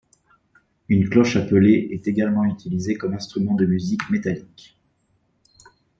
Une cloche appelée est également utilisée comme instrument de musique métallique.